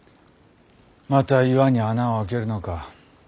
また岩に穴を開けるのか。